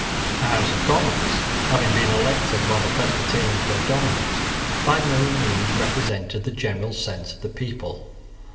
The House of Commons, having been elected while the Presbyterians were dominant, by no means represented the general sense of the people.